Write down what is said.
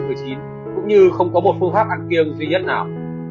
cũng như không có một phương pháp ăn kiêng duy nhất nào